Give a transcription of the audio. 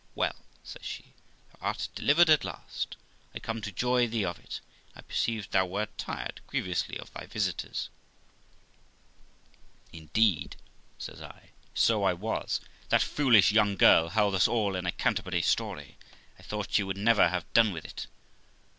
'Well', says she, 'thou art delivered at last; I come to joy thee of it; I perceived thou wert tired grievously of thy visitors.' THE LIFE OF ROXANA 367 'Indeed', says I, 'so I was; that foolish young girl held us all in a Canterbury story; I thought she would never have done with it.'